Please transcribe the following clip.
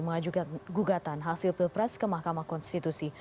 mengajukan gugatan hasil pilpres ke mahkamah konstitusi